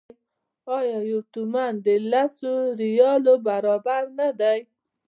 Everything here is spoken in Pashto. آیا یو تومان د لسو ریالو برابر نه دی؟